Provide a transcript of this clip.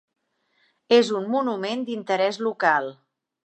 És un monument d'interés local.